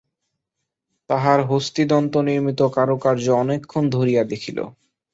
তাহার হস্তিদন্তনির্মিত কারুকার্য অনেকক্ষণ ধরিয়া দেখিল।